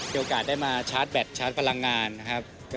มีโอกาสได้มาชาร์จแบตชาร์จพลังงานนะครับ